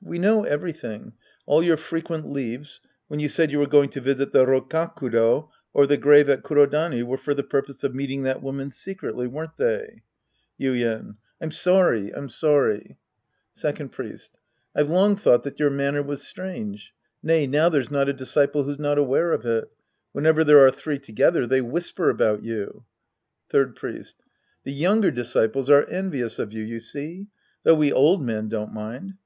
We know everything. All your frequent leaves when you said you were going to visit the Rokkakudo or the grave at Kurodani were for the purpose of meeting that woman secretly, weren't they ? Yuien. I'm sorry, I'm sorry. Sc. I The Priest and His Disciples lei Second Pnest. I've long thought that your manner was strange. Nay, now there's not a disciple who's not aware of it. Whenever there are three together, they whisper about you. Third Priest. The younger disciples are envious of you, you see. Though we old men don't mind.